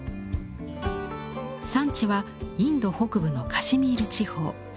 産地はインド北部のカシミール地方。